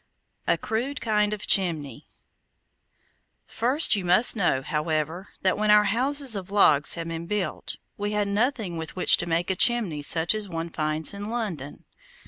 A CRUDE KIND OF CHIMNEY First you must know, however, that when our houses of logs had been built, we had nothing with which to make a chimney such as one finds in London.